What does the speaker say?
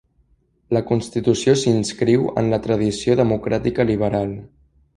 La constitució s'inscriu en la tradició democràtica liberal.